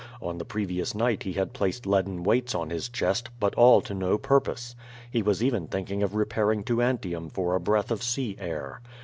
On the previous night he had placed leaden weights on his chest, but all to no purpose. He was even thinking of repairing to Antium for a breath of sea air.